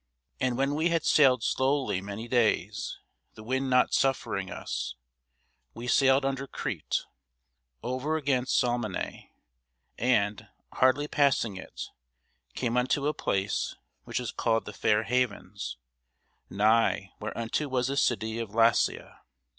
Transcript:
And when we had sailed slowly many days, the wind not suffering us, we sailed under Crete, over against Salmone; and, hardly passing it, came unto a place which is called the Fair Havens; nigh whereunto was the city of Lasea.